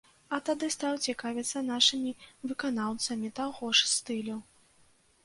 А тады стаў цікавіцца нашымі выканаўцамі таго ж стылю.